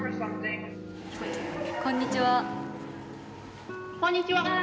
こんにちは。